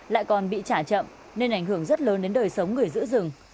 lại còn bị trả chậm nên ảnh hưởng rất lớn đến đời sống người giữ rừng